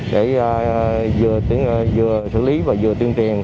để vừa xử lý và vừa tuyên truyền